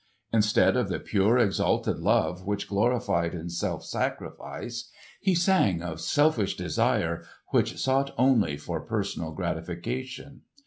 Instead of the pure exalted love which gloried in self sacrifice, he sang of selfish desire which sought only for personal gratification.